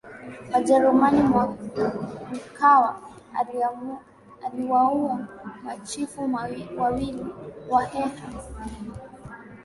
WajerumaniMkwawa aliwaua machifu wawili Wahehe waliowahi kukaa na von Prince lakini aliona hawakuwa